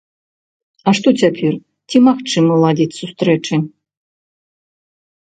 А што цяпер, ці магчыма ладзіць сустрэчы?